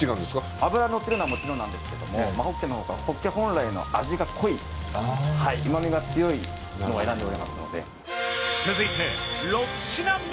脂が乗ってるのはもちろんなんですけども真ほっけのほうがほっけ本来の味が濃い旨味が強いものを選んでおりますので。